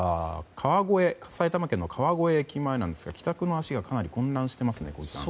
埼玉県の川越駅前ですが帰宅の足がかなり混乱していますね、小木さん。